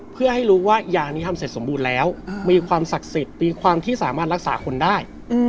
เพื่อให้รู้ว่ายานี้ทำเสร็จสมบูรณ์แล้วมีความศักดิ์สิทธิ์มีความที่สามารถรักษาคนได้